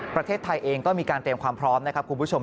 ประเทศไทยเองก็มีการเตรียมความพร้อมนะครับคุณผู้ชม